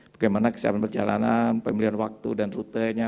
bagaimana kesiapan perjalanan pemilihan waktu dan rutenya